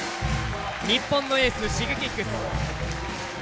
日本のエースＳｈｉｇｅｋｉｘ。